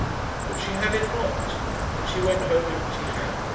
But she had it not, and she went home empty handed.